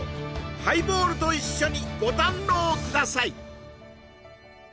ハイボールと一緒にご堪能ください